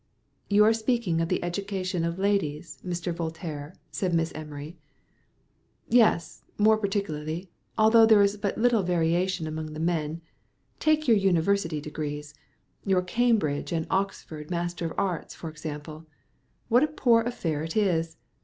"You are speaking of the education of ladies, Mr. Voltaire?" said Miss Emery. "Yes, more particularly, although there is but little more variation among the men. Take your University degrees your Cambridge and Oxford Master of Arts, for example; what a poor affair it is!